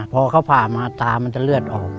พอเขาผ่ามาตามันจะเลือดออก